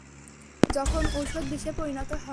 যখন, ওষুধ বিষে পরিণত হয়!